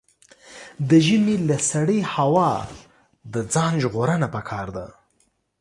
د ژمي له سړې هوا د ځان ژغورنه پکار ده.